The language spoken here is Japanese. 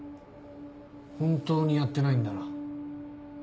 本当にやってないんだな？